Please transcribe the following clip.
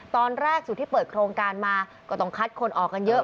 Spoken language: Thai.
ตอนแรกสุดที่เปิดโครงการมาก็ต้องคัดคนออกกันเยอะ